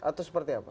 atau seperti apa